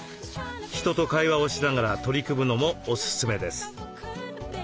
人と会話をしながら取り組むのもおすすめです。